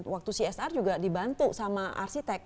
waktu csr juga dibantu sama arsitek